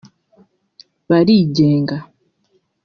barigenga